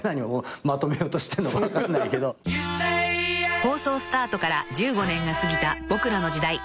［放送スタートから１５年が過ぎた『ボクらの時代』］